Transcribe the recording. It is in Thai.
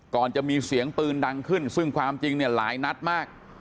ก่อนจะมีเสียงปืนดังขึ้นซึ่งความจริงเนี่ยหลายนัดมาก